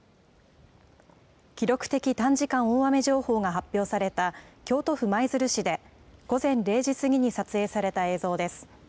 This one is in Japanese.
記録的短時間大雨情報が発表された京都府舞鶴市で、午前０時過ぎに撮影された映像です。